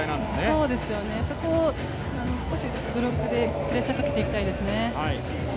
そこを少しブロックでプレッシャーをかけていきたいですね。